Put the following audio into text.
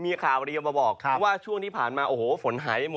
มีข่าวเรียวมาบอกว่าช่วงที่ผ่านมาโอ้โหฝนหายหมด